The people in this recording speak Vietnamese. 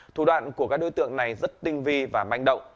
thủ đoạn của các đối tượng này rất tinh vi và manh động